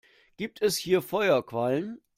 Gibt es hier Feuerquallen?